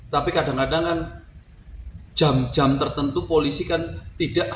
tapi kadang kadang kan jam jam tertentu polisi kan tidak